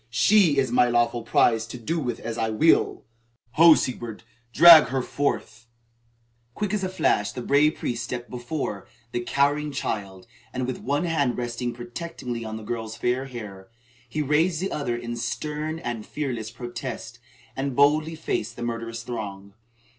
She is my lawful prize to do with as I will. Ho, Sigebert, drag her forth!" Quick as a flash the brave priest stepped before, the cowering child, and, with one hand still resting protectingly on the girl's fair hair, he raised the other in stern and fearless protest, and boldly faced the murderous throng.